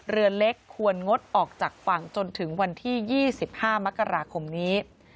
เรือเล็กควรงดออกจากฝั่งจนถึงวันที่๒๕มกราคมนี้